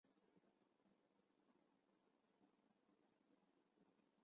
于是这些关系便由生产力的发展形式变成生产力的桎梏。